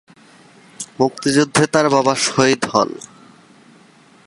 মুক্তিযুদ্ধে তার বাবা শহীদ হোন।